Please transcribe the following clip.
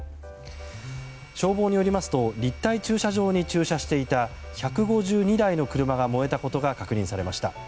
消防によりますと立体駐車場に駐車していた１５２台の車が燃えたことが確認されました。